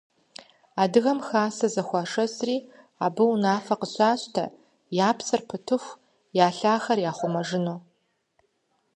Адыгэхэм хасэ зэхуашэсри, абы унафэ къыщащтэ, я псэр пытыху я лъахэр яхъумэжыну.